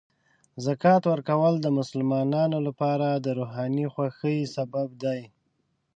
زکات ورکول د مسلمانانو لپاره د روحاني خوښۍ سبب دی.